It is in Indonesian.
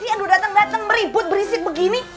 aduh dateng dateng beribut berisik begini